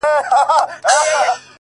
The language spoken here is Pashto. گرانه شاعره له مودو راهسي ـ